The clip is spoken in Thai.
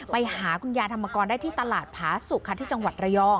ไปหาคุณยายธรรมกรได้ที่ตลาดผาสุกค่ะที่จังหวัดระยอง